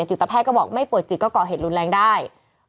จิตแพทย์ก็บอกไม่ป่วยจิตก็ก่อเหตุรุนแรงได้